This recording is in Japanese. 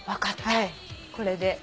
はいこれで。